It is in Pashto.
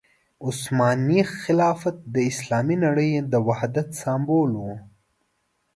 عثماني خلافت د اسلامي نړۍ د وحدت سمبول وو.